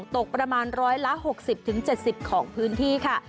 ตกประมาณ๑๖๐๗๐ของพื้นที่ค่ะ